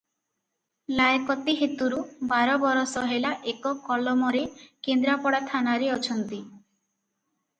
ଲାଏକତୀ ହେତୁରୁ ବାର ବରଷ ହେଲା ଏକ କଲମରେ କେନ୍ଦ୍ରାପଡ଼ା ଥାନାରେ ଅଛନ୍ତି ।